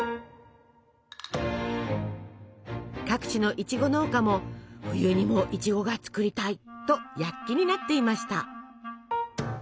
各地のいちご農家も「冬にもいちごが作りたい」と躍起になっていました。